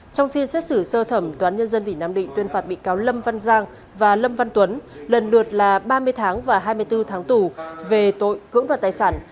trong phiên xét xử sơ thẩm toán nhân dân tỉnh nam định tuyên phạt bị cáo lâm văn giang và lâm văn tuấn lần lượt là ba mươi tháng và hai mươi bốn tháng tù về tội cưỡng đoạt tài sản